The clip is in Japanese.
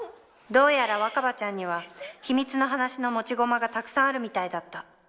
どうやら若葉ちゃんには秘密の話の持ち駒がたくさんあるみたいだった。